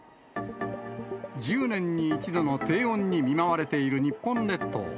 １０年に一度の低温に見舞われている日本列島。